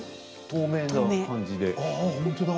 透明な感じで。